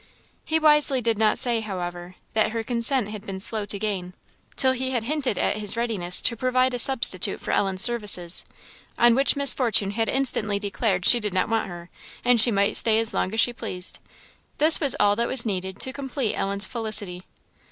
He wisely did not say, however, that her consent had been slow to gain, till he had hinted at his readiness to provide a substitute for Ellen's services; on which Miss Fortune had instantly declared she did not want her, and she might stay as long as she pleased. This was all that was needed to complete Ellen's felicity.